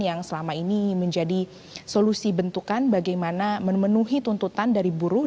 yang selama ini menjadi solusi bentukan bagaimana memenuhi tuntutan dari buruh